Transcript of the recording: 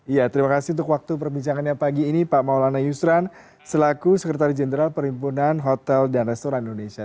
iya terima kasih untuk waktu perbincangannya pagi ini pak maulana yusran selaku sekretari jenderal perhimpunan hotel dan restoran indonesia